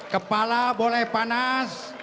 kepala boleh panas